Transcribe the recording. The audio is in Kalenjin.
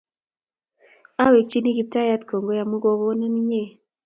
Awekchini Kiptaiyat kongoi amun kogonon inye.